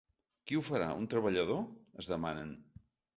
Qui ho farà, un treballador?, es demanen.